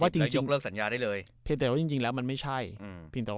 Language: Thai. จริงแล้วยกเลิกสัญญาได้เลยแต่ว่าจริงแล้วมันไม่ใช่